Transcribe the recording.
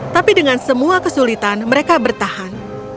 tapi dengan semua kesulitan mereka bertahan